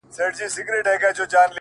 • ما له یوې هم یوه ښه خاطره و نه لیده ـ